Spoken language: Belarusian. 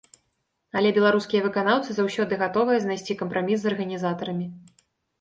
Але беларускія выканаўцы заўсёды гатовыя знайсці кампраміс з арганізатарамі.